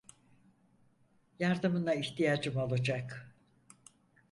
Yardımına ihtiyacım olacak.